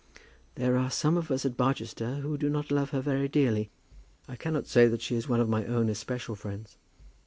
"There are some of us at Barchester who do not love her very dearly. I cannot say that she is one of my own especial friends."